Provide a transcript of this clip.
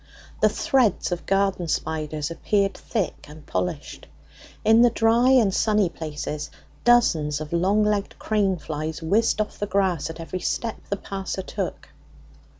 The threads of garden spiders appeared thick and polished. In the dry and sunny places, dozens of long legged crane flies whizzed off the grass at every step the passer took.